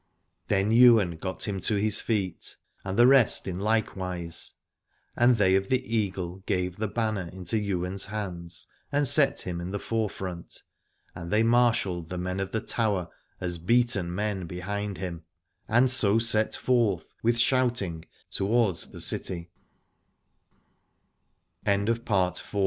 Then Ywain got him to his feet, and the rest in like wise : and they of the Eagle gave the banner into Ywain's hands and set him in the forefront, and they marshalled the men of the Tower as beaten men behind him, and so set forth with shouting t